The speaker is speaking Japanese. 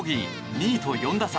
２位と４打差。